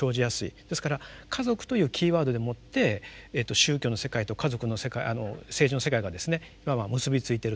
ですから「家族」というキーワードでもって宗教の世界と家族の世界政治の世界がですねいわば結びついてると。